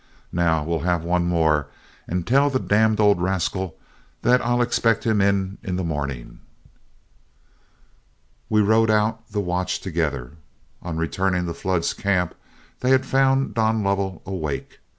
Now, we'll have one more, and tell the damned old rascal that I'll expect him in the morning.'" We rode out the watch together. On returning to Flood's camp, they had found Don Lovell awake.